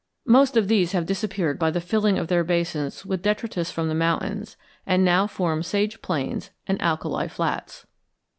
Most of these have disappeared by the filling of their basins with detritus from the mountains, and now form sage plains and "alkali flats."